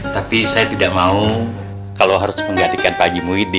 tapi saya tidak mau kalau harus menggantikan pagi muhyiddin